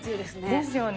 ですよね。